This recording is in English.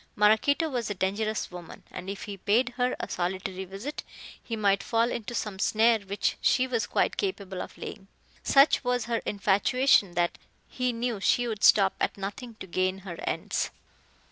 Maraquito was a dangerous woman, and if he paid her a solitary visit, he might fall into some snare which she was quite capable of laying. Such was her infatuation, that he knew she would stop at nothing to gain her ends.